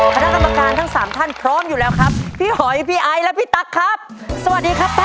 คณะกรรมการทั้งสามท่านพร้อมอยู่แล้วครับพี่หอยพี่ไอและพี่ตั๊กครับสวัสดีครับ